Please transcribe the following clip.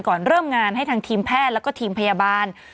ก่อนเริ่มงานให้ทางทีมแพทย์แล้วก็ทีมพยาบาล